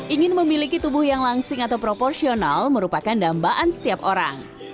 ingin memiliki tubuh yang langsing atau proporsional merupakan dambaan setiap orang